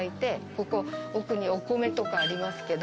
ここ奥にお米とかありますけど。